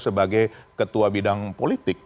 sebagai ketua bidang politik